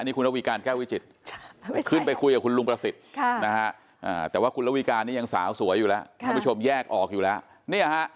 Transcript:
อันนี้คุณละวิการแก้วิจิตรขึ้นไปคุยกับคุณลุงประสิทธิ์แต่ว่าคุณละวิการนี่ยังสาวสวยอยู่แล้วคุณผู้ชมแยกออกอยู่แล้ว